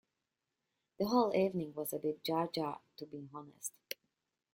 The whole evening was a bit Jar Jar to be honest.